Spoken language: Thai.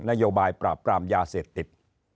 โยบายปราบปรามยาเสพติด